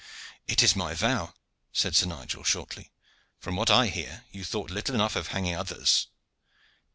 "It is my vow," said Sir Nigel shortly. "From what I hear, you thought little enough of hanging others."